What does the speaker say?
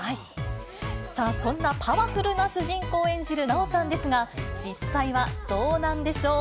そんなパワフルな主人公を演じる奈緒さんですが、実際はどうなんでしょう。